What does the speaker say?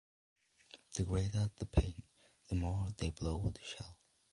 The greater the pain, the more they blow the shell.